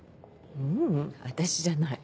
ううん私じゃない。